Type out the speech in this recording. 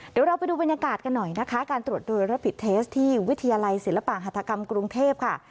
เดี๋ยวเราไปดูบรรยากาศกันหน่อยนะคะการตรวจโดยรับผิดเทสที่วิทยาลัยศิลปะหัฐกรรมกรุงเทพค่ะ